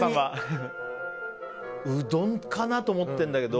うどんかなと思ってるんだけど。